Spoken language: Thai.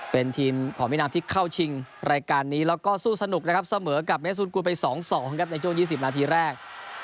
เป็นทีมฝ่อมินามที่เข้าชิงรายการนี้แล้วก็สู้สนุกนะครับเสมอกับเมฆสุนกุลไปสองสองครับในช่วงยี่สิบนาทีแรก